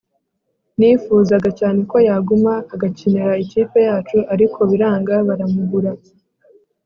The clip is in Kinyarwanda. Nifuzaga cyane ko yaguma agakinira ikipe yacu ariko biranga baramugura